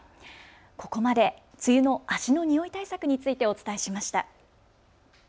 ここまで梅雨の足の臭い対策についてお伝えしました。